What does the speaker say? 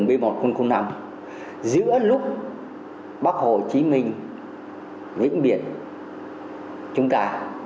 trong chiến trường b một nghìn năm giữa lúc bác hồ chí minh nguyễn biển trung cà